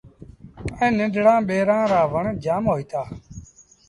ائيٚݩ ننڍڙآ ٻيرآن رآ وڻ جآم هوئيٚتآ۔